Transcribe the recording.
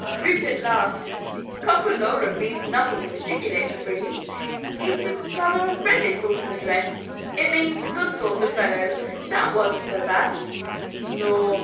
Rupert laughed. "Cockalorum means nothing in particular, Ibrahim; it is rather a friendly sort of address: it means good sort of fellow. That wasn't so bad." "No.